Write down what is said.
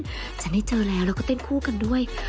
ฉันได้เจอแล้วแล้วก็เต้นคู่กันด้วย